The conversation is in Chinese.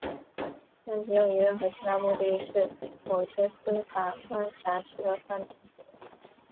将其用于任何其他目的是某些司法管辖区的犯罪行为。